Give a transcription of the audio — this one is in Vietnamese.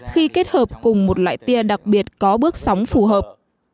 khi kết hợp cùng một loại tia đặc biệt có bước sóng phù hợp